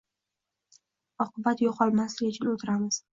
Oqibat yo'qolmasligi uchun o'tiramiz